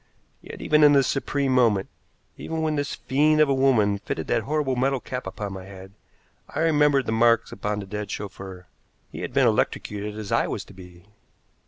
Yet even in this supreme moment, even when this fiend of a woman fitted that horrible metal cap upon my head, I remembered the marks upon the dead chauffeur. He had been electrocuted as I was to be.